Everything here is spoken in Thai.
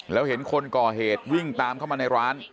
แล้วเห็นคนก่อเหตุวิ่งตามเข้ามาในร้าน